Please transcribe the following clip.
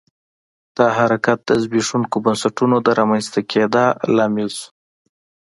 دا حرکت د زبېښونکو بنسټونو د رامنځته کېدا لامل شو.